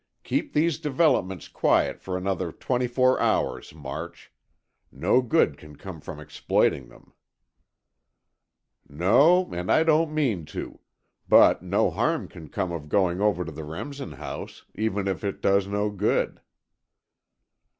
"Keep these developments quiet for another twenty four hours, March. No good can come from exploiting them." "No, and I don't mean to. But no harm can come of going over to the Remsen house, even if it does no good."